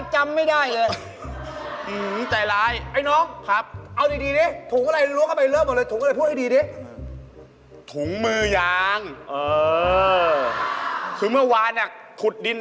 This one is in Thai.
เฮ้ยครับมาซื้ออะไร